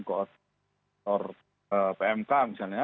ke otor pmk misalnya